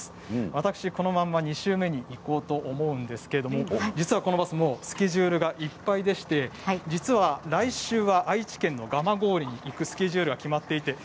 私はこのまま２周目にいこうと思うんですけれどこのバス、スケジュールがいっぱいですので来週は愛知県の蒲郡に行くスケジュールが決まっています。